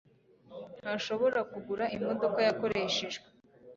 ntashobora kugura imodoka yakoreshejwe